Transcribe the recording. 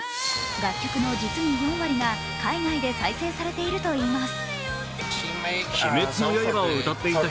楽曲の実に４割が海外で再生されているといいます。